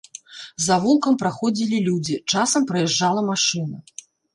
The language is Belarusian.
Завулкам праходзілі людзі, часам праязджала машына.